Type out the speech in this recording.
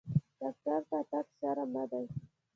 ډاکټر ته تګ شرم نه دی۔